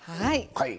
はい。